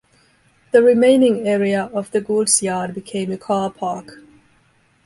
The remaining area of the goods yard became a car park.